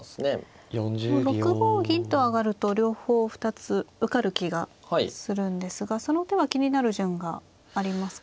６五銀と上がると両方２つ受かる気がするんですがその手は気になる順がありますか。